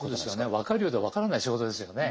分かるようで分からない仕事ですよね。